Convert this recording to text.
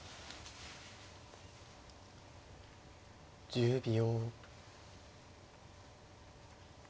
１０秒。